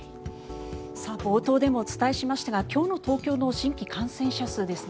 冒頭でもお伝えしましたが今日の東京の新規感染者数ですね